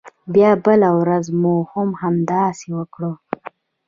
بیا بله ورځ مو هم همداسې وکړل.